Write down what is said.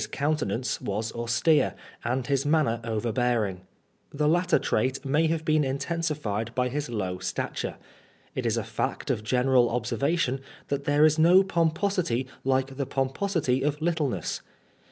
•countenance was anstere, and his manner overbearing. The latter trait may have been intensified by his low stature. It is a fact of general observation that there is no pomposity like the pomposity of littleness.